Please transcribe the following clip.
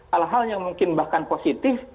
hal hal yang mungkin bahkan positif